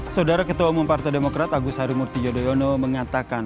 saudara ketua umum partai demokrat agus harimurti yudhoyono mengatakan